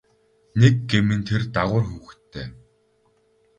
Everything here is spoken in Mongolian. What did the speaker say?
Нэг гэм нь тэр дагавар хүүхэдтэй.